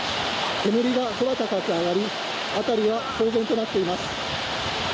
煙が空高く上がりあたりは騒然となっています。